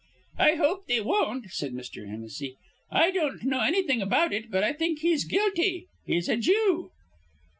"I hope they won't," said Mr. Hennessy. "I don't know annything about it, but I think he's guilty. He's a Jew."